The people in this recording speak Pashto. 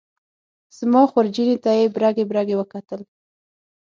زما خورجینې ته یې برګې برګې وکتل.